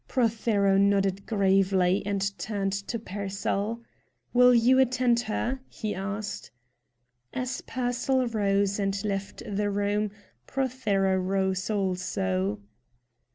Prothero nodded gravely, and turned to Pearsall. "Will you attend her?" he asked. As Pearsall rose and left the room, Prothero rose also.